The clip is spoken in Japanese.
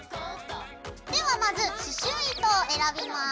ではまず刺しゅう糸を選びます。